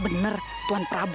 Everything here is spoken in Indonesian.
eh jangan berjalan